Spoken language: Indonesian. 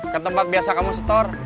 ke tempat biasa kamu setor